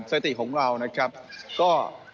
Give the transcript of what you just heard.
สถิติของเรานะครับก็